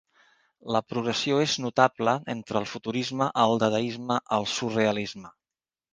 La progressió és notable entre el futurisme, el dadaisme, el surrealisme.